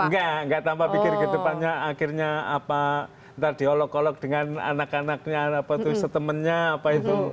gak gak tanpa berfikir ke depannya akhirnya apa ntar diolok olok dengan anak anaknya apa setemennya apa itu